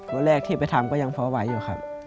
วันแรกที่ไปทำก็ยังพอไหวอยู่ครับ